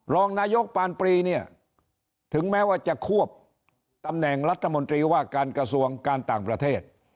รองนายกปานปรีเนี่ยถึงแม้ว่าจะควบตำแหน่งรัฐมนตรีว่าการกระทรวงการต่างประเทศ